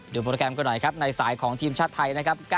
โปรแกรมกันหน่อยครับในสายของทีมชาติไทยนะครับ